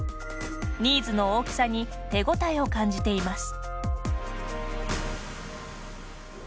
ニーズの大きさに手応えを感じています。